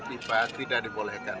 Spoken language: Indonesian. fifa tidak dibolehkan